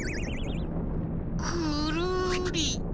くるり。